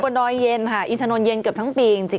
ใช่บนดอยเย็นค่ะอีธรณณ์เย็นเกือบทั้งปีจริง